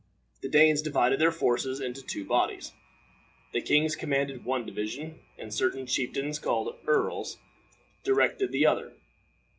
The Danes divided their forces into two bodies. Two kings commanded one division, and certain chieftains, called earls, directed the other.